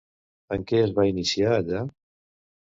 En què es va iniciar allà?